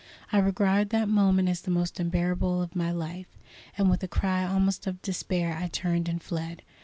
I regard that moment as the most unbearable of my life, and with a cry almost of despair I turned and fled.